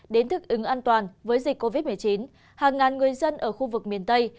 đến thức ứng an toàn với dịch covid một mươi chín hàng ngàn người dân ở khu vực miền tây